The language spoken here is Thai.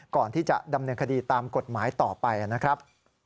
ก่อนที่จะดำเนินคดีตามกฎหมายต่อไปนะครับ